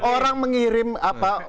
orang mengirim apa